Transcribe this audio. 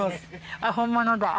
あっ本物だ。